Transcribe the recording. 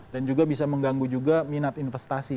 dan juga bisa mengganggu juga minat investasi